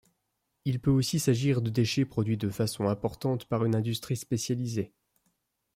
Il peut aussi s’agir de déchets produits de façon importante par une industrie spécialisée.